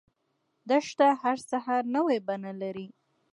دښته هر سحر نوی بڼه لري.